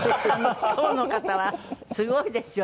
今日の方はすごいですよね。